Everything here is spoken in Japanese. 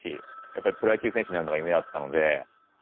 やっぱりプロ野球選手になるのが夢だったので。